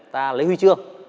ta lấy huy chương